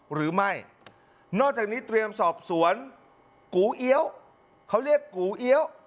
หรือไม่นอกจากนี้เตรียมสอบสวนกูเอี๊ยวเขาเรียกกูเอี้ยว